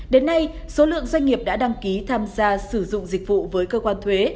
đến nay số lượng doanh nghiệp đã đăng ký tham gia sử dụng dịch vụ với cơ quan thuế